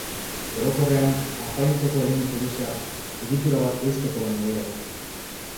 Orokorrean, apaintzeko elementu gisa, egitura bat eusteko baino gehiago.